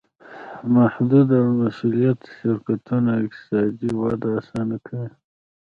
محدودالمسوولیت شرکتونه اقتصادي وده اسانه کوي.